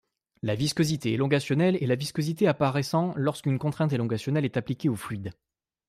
La viscosité élongationnelle est la viscosité apparaissant lorsqu’une contrainte élongationnelle est appliquée au fluide.